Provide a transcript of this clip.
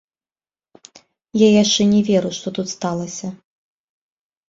Я яшчэ не веру, што тут сталася.